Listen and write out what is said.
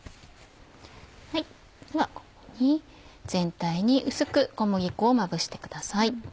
ここに全体に薄く小麦粉をまぶしてください。